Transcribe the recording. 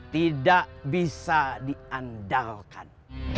tidak bisa diandalkan